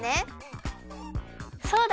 そうだ！